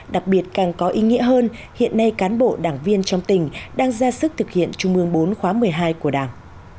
đặc biệt càng có ý nghĩa hơn hiện nay cán bộ đảng viên trong tỉnh đang ra sức thực hiện trung mương bốn khóa một mươi hai của đảng